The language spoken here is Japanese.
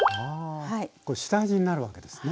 これ下味になるわけですね。